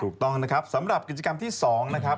ถูกต้องนะครับสำหรับกิจกรรมที่๒นะครับ